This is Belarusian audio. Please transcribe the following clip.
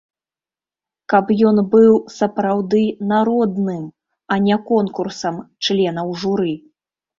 Каб ён быў сапраўды народным, а не конкурсам членаў журы.